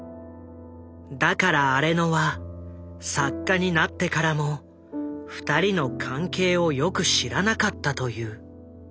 だから荒野は作家になってからも２人の関係をよく知らなかったという。